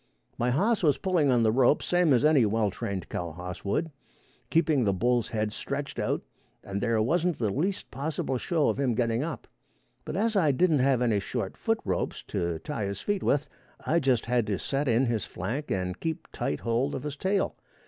My hoss was pulling on the rope same as any well trained cow hoss would, keeping the bull's head stretched out, and there wasn't the least possible show of him getting up; but as I didn't have any short foot ropes to tie his feet with, I just had to set in his flank and keep tight hold of his tail.